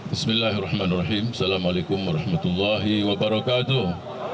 assalamu'alaikum warahmatullahi wabarakatuh